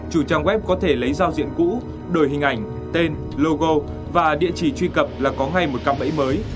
chủ trang web có thể lấy giao diện cũ đổi hình ảnh tên logo và địa chỉ truy cập là có ngay một căn bẫy mới